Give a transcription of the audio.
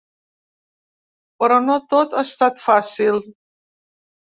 Però no tot ha estat fàcil.